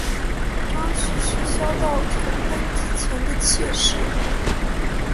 张氏是萧道成登基前的妾室。